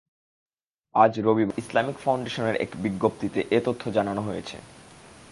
আজ রবিবার ইসলামিক ফাউন্ডেশনের এক বিজ্ঞপ্তিতে এ তথ্য জানানো হয়েছে।